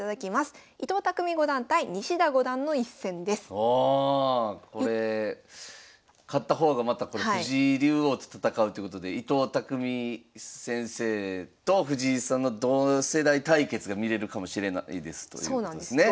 これ勝った方がまたこの藤井竜王と戦うってことで伊藤匠先生と藤井さんの同世代対決が見れるかもしれないですということですね。